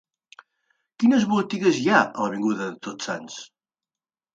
Quines botigues hi ha a l'avinguda de Tots Sants?